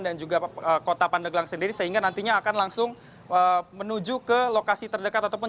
dan juga kota pandeglang sendiri sehingga nantinya akan langsung menuju ke lokasi terdekat ataupun